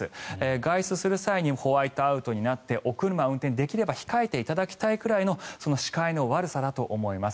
外出する際にホワイトアウトになってお車の運転、できれば控えていただきたいくらいの視界の悪さだと思います。